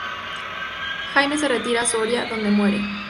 Jaime se retira a Soria, donde muere.